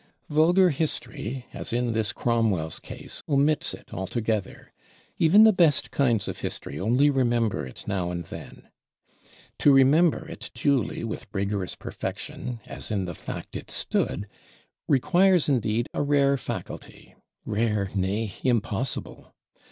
Vulgar History, as in this Cromwell's case, omits it altogether; even the best kinds of History only remember it now and then. To remember it duly with rigorous perfection, as in the fact it stood, requires indeed a rare faculty; rare, nay impossible.